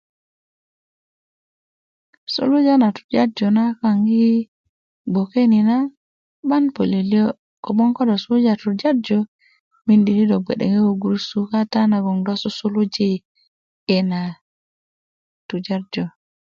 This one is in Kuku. suluja na tujarju na kaaŋ yi gboke ni na 'ban pölyölyö kogboŋ ko do tujarju miindi ti do gbe ko gurusu kata nagoŋ do susuluji ina tujarju